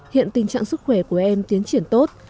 hiện tình trạng sức khỏe của em tiến triển tốt